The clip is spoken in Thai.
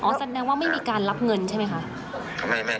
แสดงว่าไม่มีการรับเงินใช่ไหมคะ